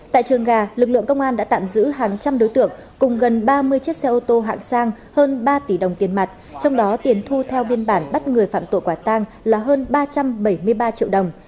tại trường gà lực lượng công an đã tạm giữ hàng trăm đối tượng cùng gần ba mươi chiếc xe ô tô hạng sang hơn ba tỷ đồng tiền mặt trong đó tiền thu theo biên bản bắt người phạm tội quả tang là hơn ba trăm bảy mươi ba triệu đồng